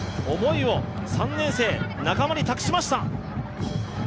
思いを３年生、仲間に託しました。